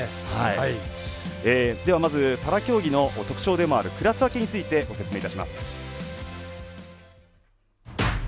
では、まずパラ競技の特徴でもあるクラス分けについてご説明いたします。